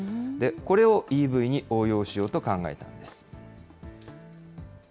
これをＥＶに応用しようと考えたんです。